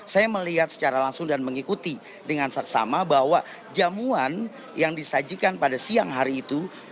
saya melihat secara langsung dan mengikuti dengan saksama bahwa jamuan yang disajikan pada siang hari itu dua puluh dua juli dua ribu dua puluh tiga adalah